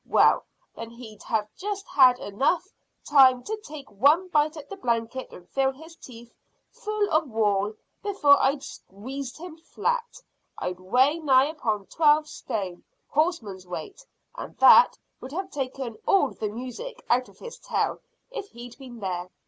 "Well, then he'd have just had time to take one bite at the blanket and fill his teeth full of wool before I'd squeezed him flat. I weigh nigh upon twelve stone, horseman's weight, and that would have taken all the music out of his tail if he'd been there.